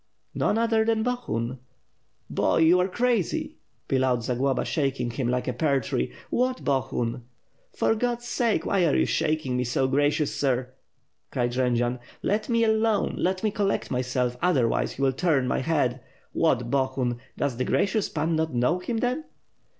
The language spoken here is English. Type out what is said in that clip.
"None other than Bohun." "Boy, are you crazy!" bellowed Zagloba, shaking him like a pear tree. "What Bohun?" "For God's sake, why are you shaking me so, gracious sir," cried Jendzian, "let me alone, let me collect myself; otherwise you will turn my head. What Bohun! Does the gracious Pan not know him then?"